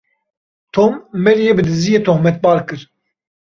Tom, Maryê bi diziyê tohmetbar kir.